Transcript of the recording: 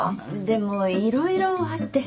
でもいろいろあって。